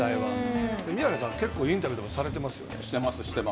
宮根さんインタビューとかされてますよね。